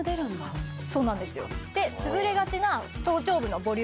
そうなんですよ。